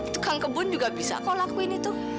tukang kebun juga bisa kau lakuin itu